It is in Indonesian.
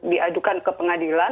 diadukan ke pengadilan